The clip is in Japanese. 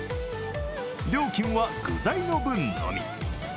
料金は具材の分のみ。